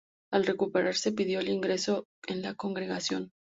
Al recuperarse pidió el ingreso en la congregación.